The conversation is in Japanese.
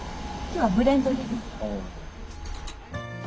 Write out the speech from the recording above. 今日はブレンドです。